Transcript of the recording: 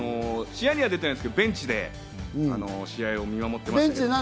試合には出てるんですけど、ベンチで試合を見守っていました。